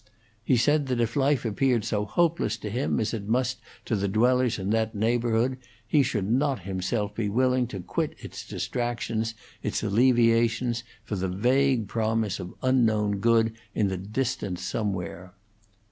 He said that if life appeared so hopeless to him as it must to the dwellers in that neighborhood he should not himself be willing to quit its distractions, its alleviations, for the vague promise of unknown good in the distance somewhere.